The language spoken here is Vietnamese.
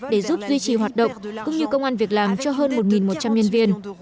để giúp duy trì hoạt động cũng như công an việc làm cho hơn một một trăm linh nhân viên